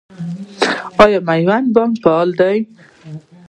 آیا میوند بانک فعال دی؟